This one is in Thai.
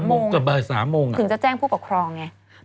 โมงเกือบบ่าย๓โมงถึงจะแจ้งผู้ปกครองไง